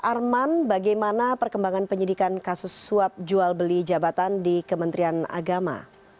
arman bagaimana perkembangan penyidikan kasus suap jual beli jabatan di kementerian agama